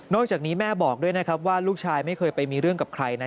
จากนี้แม่บอกด้วยนะครับว่าลูกชายไม่เคยไปมีเรื่องกับใครนะ